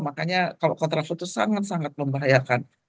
makanya kalau kontraflow itu sangat sangat membahayakan